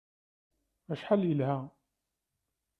Acḥal yelha!